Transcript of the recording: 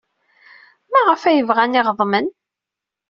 Maɣef ay bɣan iɣeḍmen?